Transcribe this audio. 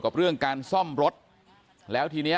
ก็ได้รู้สึกว่ามันกลายเป้าหมาย